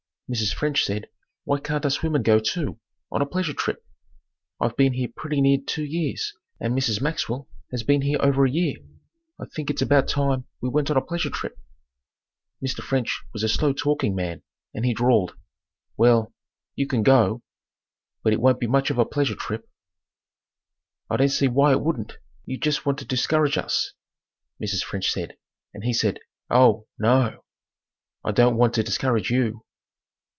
Mrs. French said "Why can't us women go too, on a pleasure trip? I've been here pretty near two years and Mrs. Maxwell has been here over a year. I think it's about time we went on a pleasure trip." Mr. French was a slow talking man and he drawled, "Well, you can go, but it won't be much of a pleasure trip." "I don't see why it wouldn't. You jest want to discourage us," Mrs. French said and he said, "Oh, no o! I don't want to discourage you."